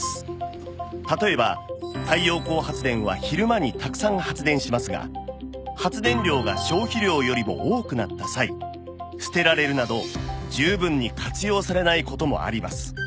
例えば太陽光発電は昼間にたくさん発電しますが発電量が消費量よりも多くなった際捨てられるなど十分に活用されない事もあります